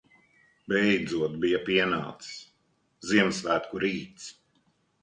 Beidzot bija pienācis Ziemassvētku rīts.